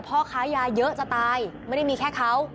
พ่อค้ายาเยอะจะตายไม่ได้มีแค่เขา